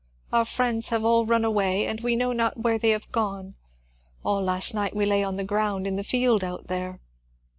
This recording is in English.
Our friends have all run away, and we know not where they have gone. All last night we lay on the ground in the field out there."